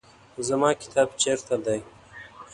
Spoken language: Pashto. زما کتاب چیرته دی؟